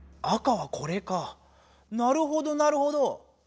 赤はこれかなるほどなるほど。